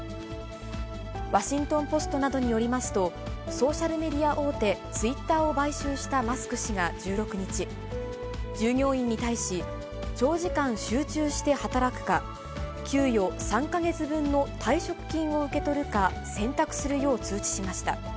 ワシントンポストなどによりますと、ソーシャルメディア大手、ツイッターを買収したマスク氏が１６日、従業員に対し、長時間集中して働くか、給与３か月分の退職金を受け取るか選択するよう通知しました。